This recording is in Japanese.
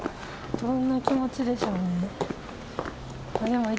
どんな気持ちでしょうね